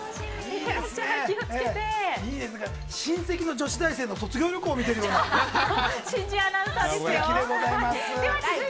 親戚の女子大生の卒業旅行見てるみたい。